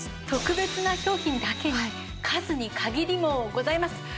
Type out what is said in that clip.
特別な商品だけに数に限りもございます。